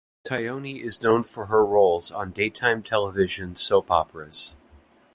Tognoni is known for her roles on daytime television soap operas.